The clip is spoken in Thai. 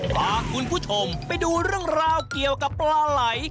พาคุณผู้ชมไปดูเรื่องราวเกี่ยวกับปลาไหล